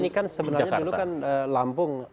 ini kan sebenarnya dulu kan lampung